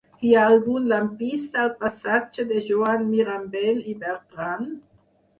Hi ha algun lampista al passatge de Joan Mirambell i Bertran?